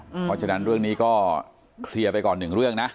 เพราะฉะนั้นเรื่องนี้ก็เคลียร์ไปก่อนหนึ่งเรื่องนะ